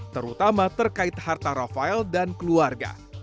terutama terkait harta rafael dan keluarga